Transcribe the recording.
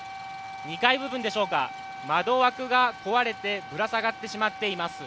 ２階部分でしょうか、窓枠が壊れてぶら下がってしまっています。